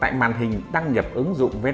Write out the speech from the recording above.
người tham gia chọn đăng nhập ứng dụng vssid